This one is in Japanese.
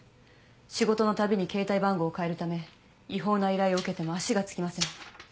仕事のたびに携帯番号を変えるため違法な依頼を受けても足がつきません。